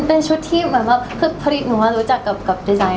เป็นชุดพระอิทธิ์หนูรู้จักกับดิไซน์